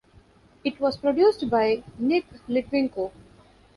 It was produced by Nick Litwinko.